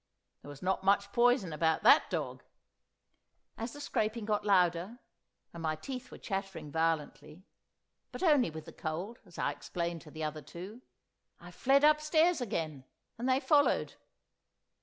There was not much poison about that dog! As the scraping got louder, and my teeth were chattering violently (but only with the cold, as I explained to the other two), I fled upstairs again, and they followed.